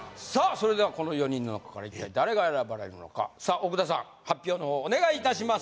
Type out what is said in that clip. それではこの４人の中から一体誰が選ばれるのかさあ奥田さん発表のほうお願いいたします